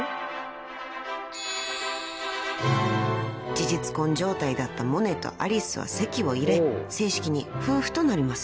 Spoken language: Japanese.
［事実婚状態だったモネとアリスは籍を入れ正式に夫婦となります］